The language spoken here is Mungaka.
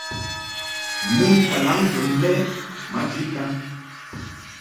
Nɨŋ kalaŋŋgɨŋ lɛ maji kaŋ.